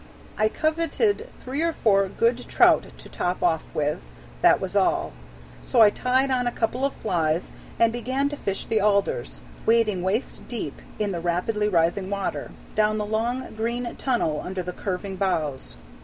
I coveted three or four good trout to top off with, that was all. So I tied on a couple of flies, and began to fish the alders, wading waist deep in the rapidly rising water, down the long green tunnel under the curving boughs.